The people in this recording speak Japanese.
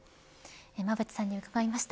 馬渕さんに伺いました。